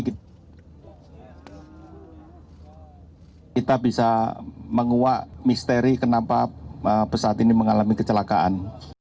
kita bisa menguak misteri kenapa pesawat ini mengalami kecelakaan